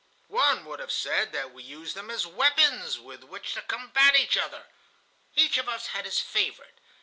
"One would have said that we used them as weapons with which to combat each other. Each of us had his favorite.